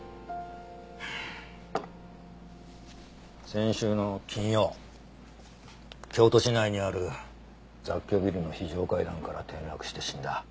先週の金曜京都市内にある雑居ビルの非常階段から転落して死んだ。